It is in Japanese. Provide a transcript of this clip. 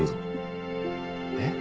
えっ？